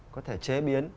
có thể chế biến